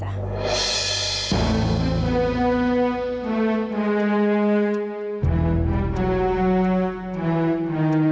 ah jadi nama tunangan aku adalah